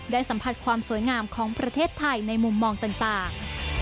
สัมผัสความสวยงามของประเทศไทยในมุมมองต่าง